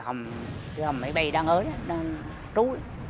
hầm hầm máy bay đang ở đó đang trú